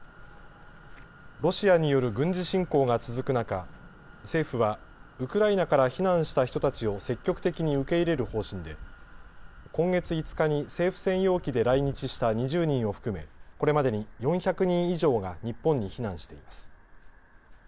ロシアによる軍事侵攻が続く中政府はウクライナから避難した人たちを積極的に受け入れる方針で今月５日に政府専用機で来日した２０人を含めこれまでに４００人以上が日本に避難しています。